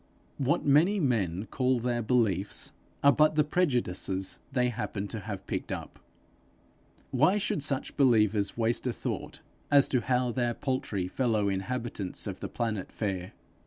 What many men call their beliefs, are but the prejudices they happen to have picked up: why should such believers waste a thought as to how their paltry fellow inhabitants of the planet fare?